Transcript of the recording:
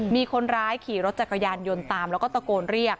มีคนร้ายขี่รถจักรยานยนต์ตามแล้วก็ตะโกนเรียก